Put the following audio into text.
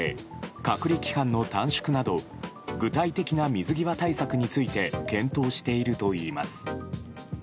隔離期間の短縮など具体的な水際対策について検討しているといいます。